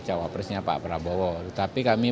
cawapresnya pak prabowo tetapi kami